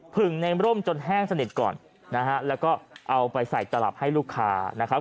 ผึ่งในร่มจนแห้งสนิทก่อนนะฮะแล้วก็เอาไปใส่ตลับให้ลูกค้านะครับ